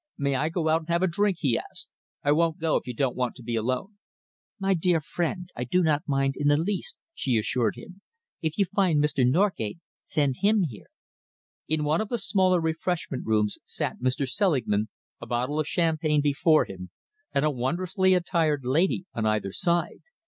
"May I go out and have a drink?" he asked. "I won't go if you don't want to be alone." "My dear friend, I do not mind in the least," she assured him. "If you find Mr. Norgate, send him here." In one of the smaller refreshment rooms sat Mr. Selingman, a bottle of champagne before him and a wondrously attired lady on either side.